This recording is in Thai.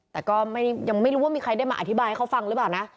แต่ก็ยังไม่รู้ว่ามีใครได้มาอธิบายให้เขาฟังหรือเปล่านะ